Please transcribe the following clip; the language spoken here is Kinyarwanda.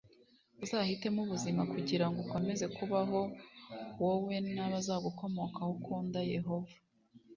uzahitemo ubuzima kugira ngo ukomeze kubaho e wowe n abazagukomokaho ukunda yehova